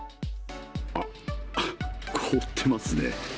あっ、凍ってますね。